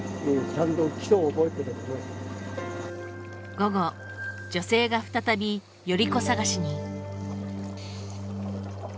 午後女性が再び頼子探しに。